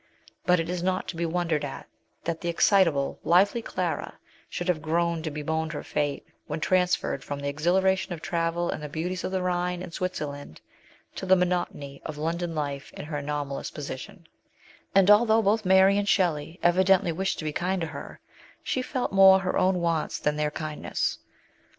But it is not to be wondered at that the excitable, lively Clara should have groaned and bemoaned her fate when transferred from the exhilara tion of travel and the beauties of the Rhine and 80 MRS. SHELLEY. Switzerland to the monotony of London life in her anomalous position; and although both Mary and Shelley evidently wished to be kind to her, she felt more her own wants than their kindness.